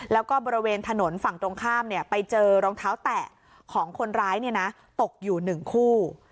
แล้วก็บริเวณถนนฝั่งตรงข้ามไปเจอรองเท้าแตะของคนร้ายตกอยู่๑คู่